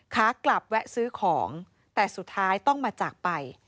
ขากลับแวะซื้อของแต่สุดท้ายต้องมาจากไป